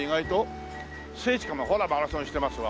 聖地かもほらマラソンしてますわ。